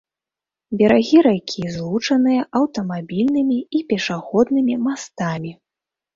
Берагі ракі злучаныя аўтамабільнымі і пешаходнымі мастамі.